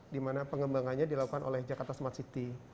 dimana pengembangannya dilakukan oleh jakarta smart city